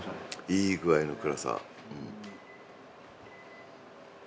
いい具合の暗さ。